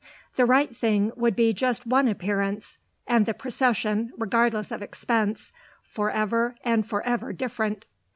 The right thing would be just one appearance, and the procession, regardless of expense, for ever and for ever different."